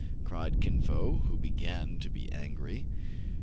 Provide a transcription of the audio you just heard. " cried Kin Fo, who began to be angry.